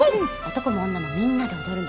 男も女もみんなで踊るの。